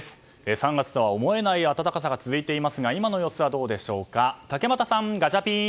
３月とは思えない暖かさが続いていますが今の様子はどうでしょうか。